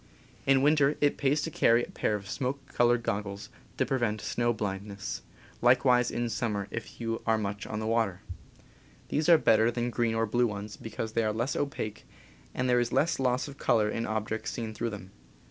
In winter it pays to carry a pair of smoke colored goggles, to prevent snow blindness — likewise in sum mer if you are much on the water. ^^* These are better than green or blue ones, because they are less opaque and there is less loss of color in objects seen through them.